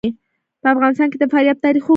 په افغانستان کې د فاریاب تاریخ اوږد دی.